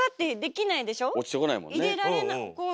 入れられない